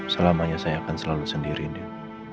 selamanya saya akan selalu sendiri deh